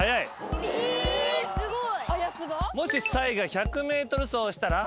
えすごい！